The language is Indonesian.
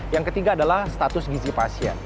yang ketiga adalah status gizi pasien